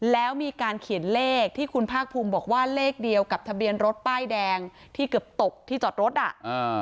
แล้วมีการเขียนเลขที่คุณภาคภูมิบอกว่าเลขเดียวกับทะเบียนรถป้ายแดงที่เกือบตกที่จอดรถอ่ะอ่า